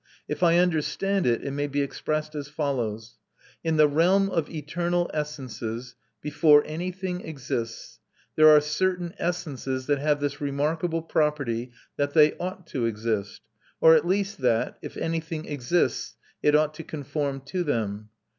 If I understand it, it may be expressed as follows: In the realm of eternal essences, before anything exists, there are certain essences that have this remarkable property, that they ought to exist, or at least that, if anything exists, it ought to conform to them.